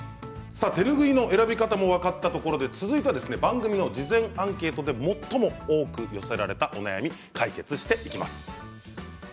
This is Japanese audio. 手ぬぐいの選び方も分かったところで続いては番組の事前アンケートで最も多く寄せられたお悩みを解決していきます。